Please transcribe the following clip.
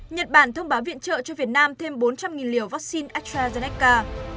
nhật bản thông báo viện trợ cho việt nam thêm bốn trăm linh liều vaccine astrazeneca